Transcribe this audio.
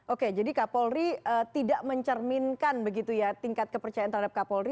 oke jadi kapolri tidak mencerminkan tingkat kepercayaan terhadap kapolri